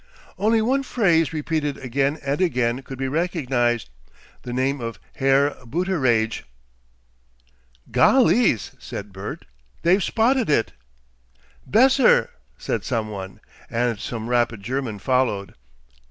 Only one phrase, repeated again and again could he recognize the name of "Herr Booteraidge." "Gollys!" said Bert. "They've spotted it." "Besser," said some one, and some rapid German followed.